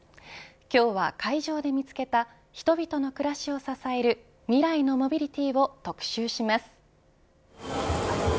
今日は会場で見つけた人々の暮らしを支える未来のモビリティを特集します。